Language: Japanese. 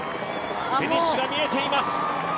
フィニッシュが見えています。